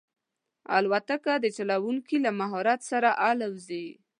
الوتکه د چلونکي له مهارت سره الوزي.